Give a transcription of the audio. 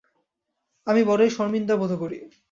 আমি বড়ই শরমিন্দা বোধ করি।